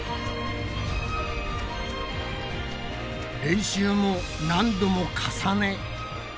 練習も何度も重ね